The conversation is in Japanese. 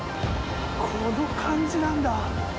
この感じなんだ。